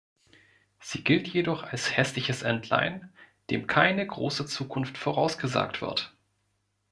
Sie gilt jedoch als hässliches Entlein, dem keine große Zukunft vorausgesagt wird.